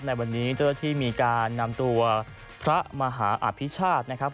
ในวันนี้เจ้าหน้าที่มีการนำตัวพระมหาอภิชาตินะครับ